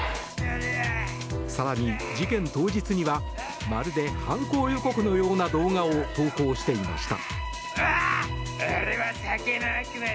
更に、事件当日にはまるで犯行予告のような動画を投稿していました。